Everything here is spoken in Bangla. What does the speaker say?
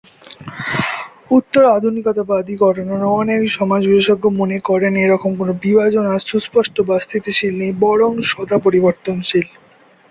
উত্তর-আধুনিকতাবাদী ঘরানার অনেক সমাজ-বিশেষজ্ঞ মনে করেন এরকম কোন বিভাজন আর সুস্পষ্ট বা স্থিতিশীল নেই, বরং সদাপরিবর্তনশীল।